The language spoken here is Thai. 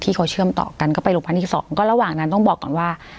เชื่อเขาเชื่อมต่อกันก็ไปโรงพักที่สองก็ระหว่างนั้นต้องบอกก่อนว่า